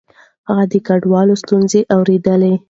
هغه د کډوالو ستونزې اورېدلې.